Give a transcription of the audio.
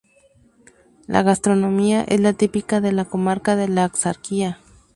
La gastronomía es la típica de la comarca de la Axarquía.